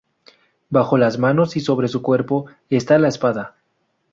Bajo las manos y sobre su cuerpo, está la espada.